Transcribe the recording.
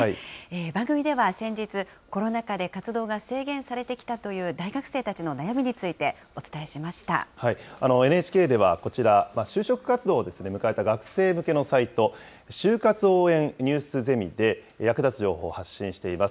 番組では先日、コロナ禍で活動が制限されてきたという大学生たちＮＨＫでは、こちら、就職活動を迎えた学生向けのサイト、就活応援ニュースゼミで、役立つ情報を発信しています。